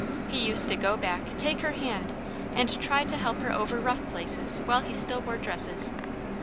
He used to go back, take her hand, and try to help her over rough places while he still wore dresses.